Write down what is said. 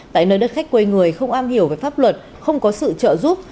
tại nơi đất khách quê người không am hiểu về pháp luật không có sự trợ giúp